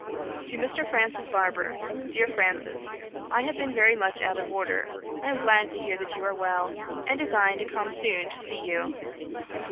'To MR. FRANCIS BARBER. 'DEAR FRANCIS, 'I have been very much out of order. I am glad to hear that you are well, and design to come soon to see you.